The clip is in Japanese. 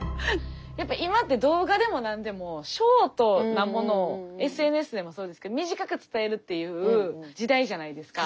やっぱ今って動画でも何でもショートなものをＳＮＳでもそうですけど短く伝えるっていう時代じゃないですか。